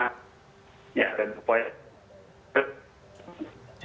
ya dari poin